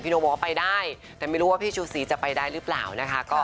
พี่นกบอกว่าไปได้แต่ไม่รู้ว่าผู้ชูสีจะไปได้หรือไม่